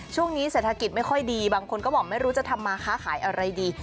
ช่วงนี้เศรษฐกิจไม่ค่อยดีบางคนก็บอกไม่รู้จะทำมาค้าขายอะไรดี